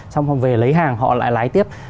xong rồi về lấy hàng họ lại lái tiếp